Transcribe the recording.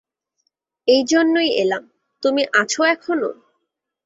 এই জন্যই এলাম, তুমি আছ এখনো?